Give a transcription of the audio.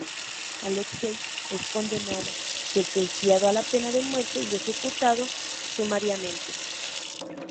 Alexey es condenado, sentenciado a la pena de muerte y ejecutado sumariamente.